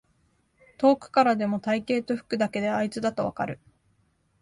遠くからでも体型と服だけであいつだとわかる